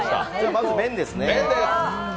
まず麺ですね。